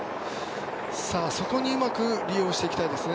そこをうまく利用していきたいですね。